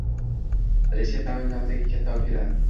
Alisher Navoiy nomidagi katta opera